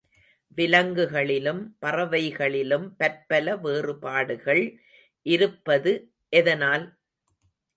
விலங்குகளிலும், பறவைகளிலும் பற்பல வேறுபாடுகள் இருப்பது எதனால்?